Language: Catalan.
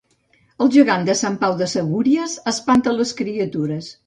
El gegant de Sant Pau de Segúries espanta les criatures